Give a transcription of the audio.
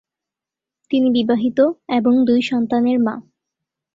তিনি বিবাহিত এবং দুই সন্তানের মা।